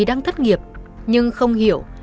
đang thất nghiệp nhưng không hiểu